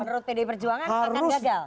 menurut pdi perjuangan akan gagal